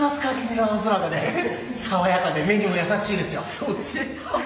爽やかで目にも優しいですよ。